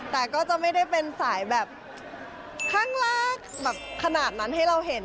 แต่ก็จะไม่ได้เป็นสายแบบข้างล่างแบบขนาดนั้นให้เราเห็น